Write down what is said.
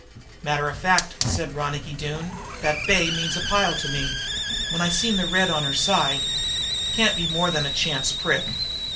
"Matter of fact," said Ronicky Doone, "that bay means a pile to me. When I seen the red on her side " "Can't be more than a chance prick."